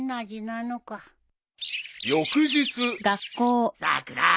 ［翌日］さくら